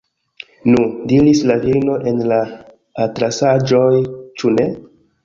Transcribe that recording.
Nu, diris la virino en la atlasaĵoj, ĉu ne?